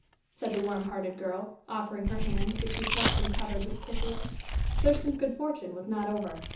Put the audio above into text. said the warm hearted girl, offering her hand, which he took and covered with kisses. Thurston's good fortune was not over.